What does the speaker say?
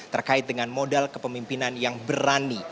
terkait dengan modal kepemimpinan yang berani